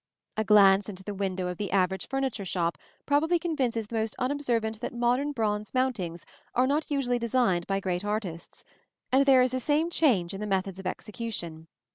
A glance into the window of the average furniture shop probably convinces the most unobservant that modern bronze mountings are not usually designed by great artists; and there is the same change in the methods of execution.